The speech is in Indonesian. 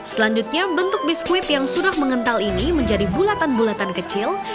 selanjutnya bentuk biskuit yang sudah mengental ini menjadi bulatan bulatan kecil